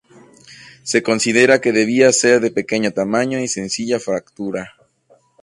Se considera que debía ser de pequeño tamaño y sencilla factura.